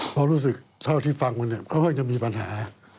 เพราะรู้สึกเท่าที่ฟังมาเนี่ยก็ค่อยจะมีปัญหา